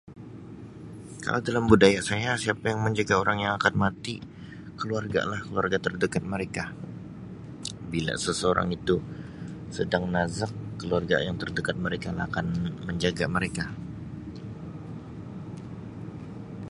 Kalau dalam budaya saya siapa yang menjaga orang yang akan mati keluarga lah, keluarga terdekat mereka. Bila seseorang itu sedang nazak keluarga yang terdekat mereka lah akan menjaga mereka